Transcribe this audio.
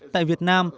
tại việt nam